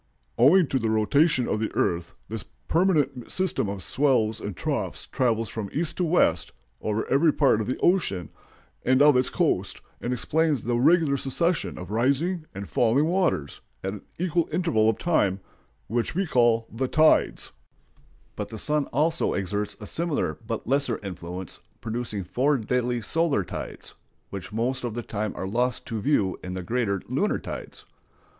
Owing to the rotation of the earth, this permanent system of swells and troughs travels from east to west over every part of the ocean and of its coast, and explains the regular succession of rising and falling waters, at equal intervals of time, which we call the tides." [Illustration: THE EARTHQUAKE WAVE PASSING OVER THE LIGHTHOUSE ON POINT ANJER.] But the sun also exerts a similar but lesser influence, producing four daily solar tides, which most of the time are lost to view in the greater lunar tides.